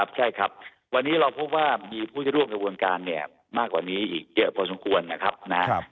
ครับใช่ครับวันนี้เราพูดว่ามีผู้จะร่วมกระบวนการเนี่ยมากกว่านี้อีกเยอะพอสมควรนะครับนะครับ